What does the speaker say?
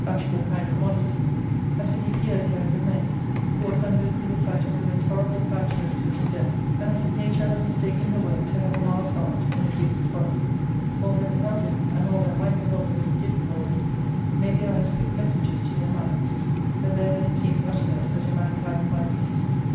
bashful kind of modesty, as if he feared the eyes of men, who was unmoved with the sight of the most horrible counten J ances of death, and as if Nature had mistaken her work to have a Mars's heart in a Cupid's body, — all that beheld him, and all that might behold him did behold him, made their eyes quick messengers to their minds, that there they had seen the uttermost that in mankind might be seen.